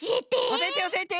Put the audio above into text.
おしえておしえて。